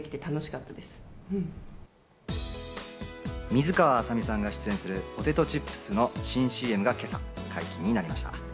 水川あさみさんが出演するポテトチップスの新ＣＭが今朝、解禁になりました。